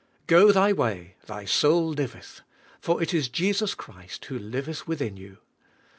Go thy way, th}^ soul liveth; for it is Jesus Christ who liveth within you.